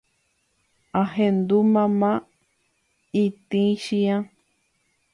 ahendu mama itĩchiã